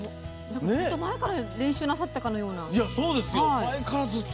ずっと前から練習なさっていたかのような。